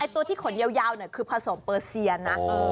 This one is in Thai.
ตัวที่ขนยาวคือผสมเปอร์เซียนะ